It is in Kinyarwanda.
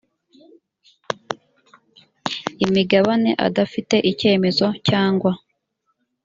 imigabane adafite icyemezo cyangwa